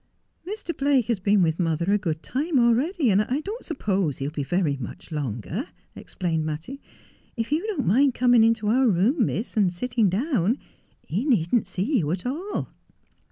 ' Mr. Blake has been with mother a good time already, and I don't suppose he'll be very much longer,' explained Mattie ;' if you don't mind coming into our room, Miss, and sitting down, he needn't see you at all.'